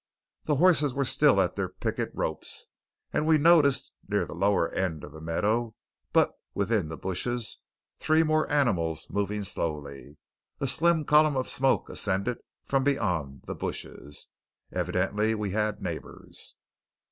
The horses were still at their picket ropes; and we noticed near the lower end of the meadow, but within the bushes, three more animals moving slowly. A slim column of smoke ascended from beyond the bushes. Evidently we had neighbours.